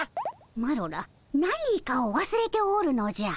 マロら何かをわすれておるのじゃ。